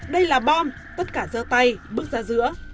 đây là bom tất cả dơ tay bước ra giữa